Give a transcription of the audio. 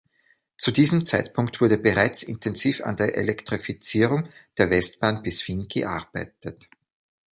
Zu diesem Zeitpunkt wurde bereits intensiv an der Elektrifizierung der Westbahn bis Wien gearbeitet.